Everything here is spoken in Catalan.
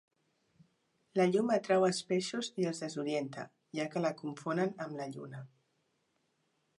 La llum atrau els peixos i els desorienta, ja que la confonen amb la lluna.